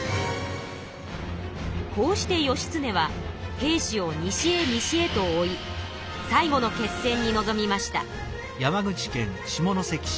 こうして義経は平氏を西へ西へと追い最後の決戦にのぞみました。